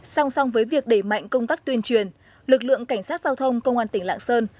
song song với việc đẩy mạnh công tác tuyên truyền lực lượng cảnh sát giao thông công an tỉnh lạng sơn